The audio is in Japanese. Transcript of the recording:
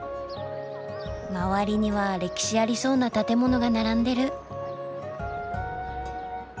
周りには歴史ありそうな建物が並んでる。